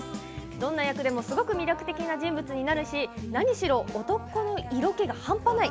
どんな役でもすごく魅力的な人物になるし何しろ男の色気が半端ない。